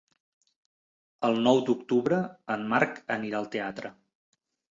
El nou d'octubre en Marc anirà al teatre.